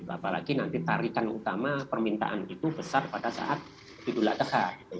apalagi nanti tarikan utama permintaan itu besar pada saat idul adha